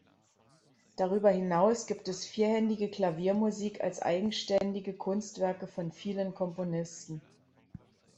Darüber hinaus gibt es vierhändige Klaviermusik als eigenständige Kunstwerke von vielen Komponisten.